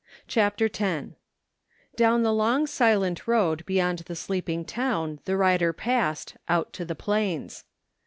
CHAPTER X Down the long silent road beyond the sleeping town the rider passed, out to the plains.